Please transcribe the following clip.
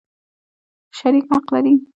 شریک حق لري.